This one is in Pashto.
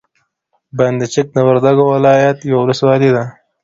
بند چک د وردګو ولایت یوه ولسوالي ده.